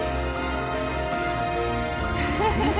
ハハハハ。